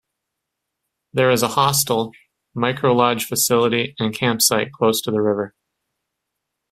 There is a hostel, microlodge facility and campsite close to the river.